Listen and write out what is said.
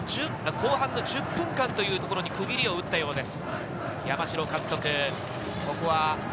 まず後半の１０分というところに区切りを打ったようです、山城監督。